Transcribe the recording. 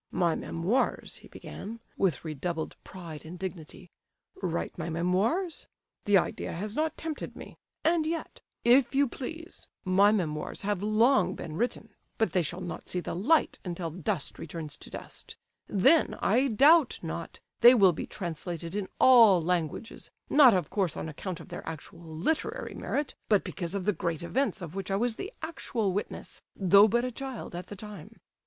"My memoirs!" he began, with redoubled pride and dignity. "Write my memoirs? The idea has not tempted me. And yet, if you please, my memoirs have long been written, but they shall not see the light until dust returns to dust. Then, I doubt not, they will be translated into all languages, not of course on account of their actual literary merit, but because of the great events of which I was the actual witness, though but a child at the time.